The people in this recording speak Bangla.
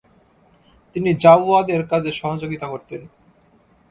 তিনি জাওওয়াদের কাজে সহযোগিতা করতেন।